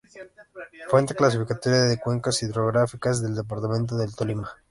Fuente: Clasificación de cuencas hidrográficas del Departamento del Tolima.